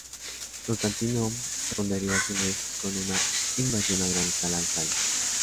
Constantino, respondería a su vez con una invasión a gran escala a Italia.